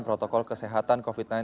protokol kesehatan covid sembilan belas